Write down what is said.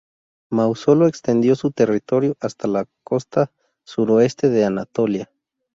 Mausolo extendió su territorio hasta la costa suroeste de Anatolia.